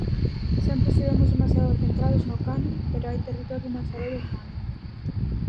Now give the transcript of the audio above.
Sempre estivemos demasiado centrados no canon, pero hai territorio máis aló do canon.